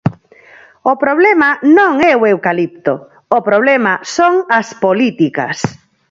O problema non é o eucalipto, o problema son as políticas.